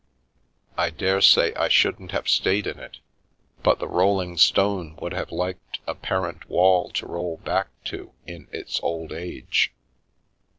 " I daresay I shouldn't have stayed in it, but the rolling stone would have liked a parent wall to roll back to in its old age."